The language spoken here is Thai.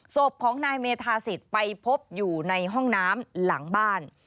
ศพของนายเมธาสิทธิ์ไปพบอยู่ในห้องน้ำหลังบ้าน